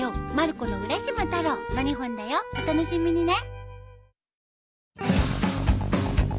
お楽しみにね。